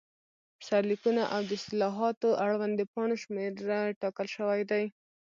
سرلیکونه، او د اصطلاحاتو اړوند د پاڼو شمېر ټاکل شوی دی.